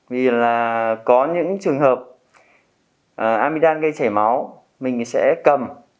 vì là có những trường hợp amidam gây chảy máu mình sẽ cầm